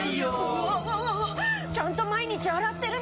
うわわわわちゃんと毎日洗ってるのに。